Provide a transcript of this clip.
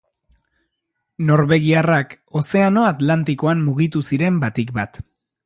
Norvegiarrak Ozeano Atlantikoan mugitu ziren batik bat.